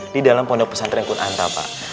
di dalam pondok pesantren kunanta pak